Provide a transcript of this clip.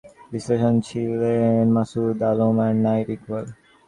ধারাভাষ্য দেন বাহার আহমেদ, বিশ্লেষক ছিলেন মাসুদ আলম ও নাইর ইকবাল।